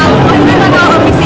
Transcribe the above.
jangan lupa untuk menonton